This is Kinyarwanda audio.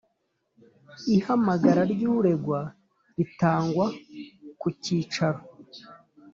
Ihamagara ry uregwa ritangwa ku cyicaro